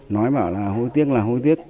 nói bảo là hối tiếc là hối tiếc